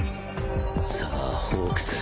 さァホークス！